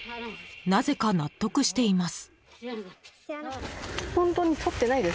なぜか納得しています］